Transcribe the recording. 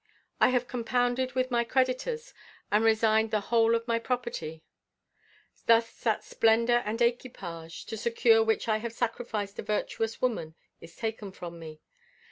I have compounded with my creditors, and resigned the whole of my property. Thus that splendor and equipage, to secure which I have sacrificed a virtuous woman, is taken from me.